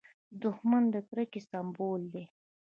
دښمن د کرکې سمبول دی